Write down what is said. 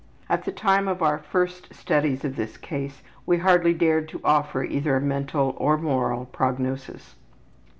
At the time of our first studies of this case we hardly dared to offer either a mental or moral prognosis.